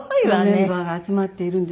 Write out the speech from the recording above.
メンバーが集まっているんですけど。